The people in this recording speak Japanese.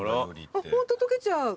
ホント溶けちゃう。